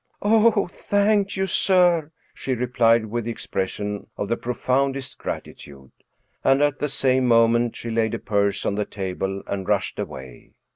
*' "Oh, thank you, sir," she replied, with the expression of the profoundest gratitude ; and at the same moment she laid a purse on the table and rushed away.